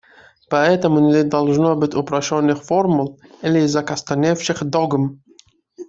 Поэтому не должно быть упрощенных формул или закостеневших догм.